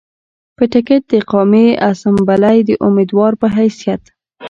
پۀ ټکټ د قامي اسمبلۍ د اميدوار پۀ حېثيت